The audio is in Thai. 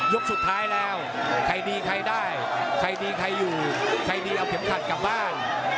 สุดท้ายแล้วใครดีใครได้ใครดีใครอยู่ใครดีเอาเข็มขัดกลับบ้าน